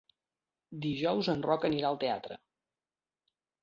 Dijous en Roc anirà al teatre.